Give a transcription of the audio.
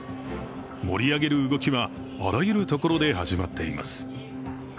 盛り上げる動きは、あらゆるところで始まっています。